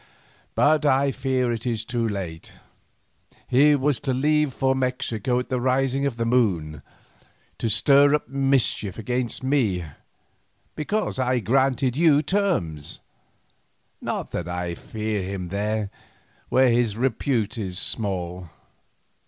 But I fear it is too late; he was to leave for Mexico at the rising of the moon, to stir up mischief against me because I granted you terms—not that I fear him there, where his repute is small."